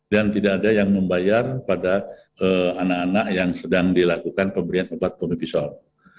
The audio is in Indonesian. dan tidak ada yang membayar pada anak anak yang sedang dilakukan pemberian obat pomepisol